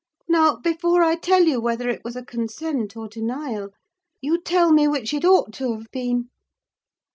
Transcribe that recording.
Now, before I tell you whether it was a consent or denial, you tell me which it ought to have been."